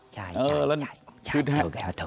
ใช่ใช่ใช่